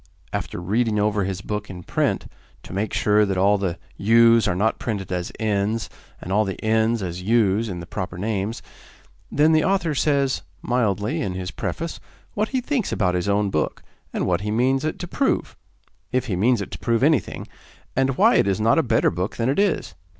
After reading over his book in print to make sure that all the 'u's' are not printed as 'n's,' and all the 'n's' as 'u's' in the proper names then the author says, mildly, in his preface, what he thinks about his own book, and what he means it to prove if he means it to prove anything and why it is not a better book than it is.